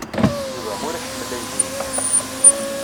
Yuba ur iḥemmel aydi-inu.